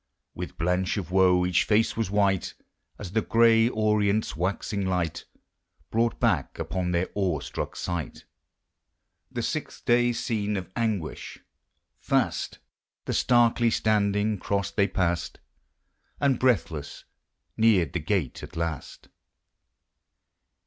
With blanch of woe each face was white, As the gray Orient's waxing light Brought back upon their awe struck sight The sixth day scene of anguish. Fast The starkly standing cross they passed. And, breathless, neared the gate at last.